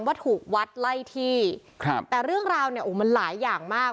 ว่าถูกวัดไล่ที่ครับแต่เรื่องราวเนี่ยโอ้โหมันหลายอย่างมาก